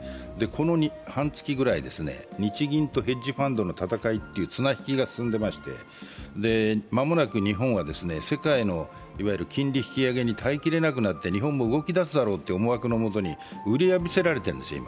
この半月ぐらい、日銀とヘッジファンドの戦いという綱引きが進んでまして、間もなく日本は、世界の金利引き上げに耐えきれなくなって、日本も動きだすだろうという思惑のもとに、売り浴びせられてる。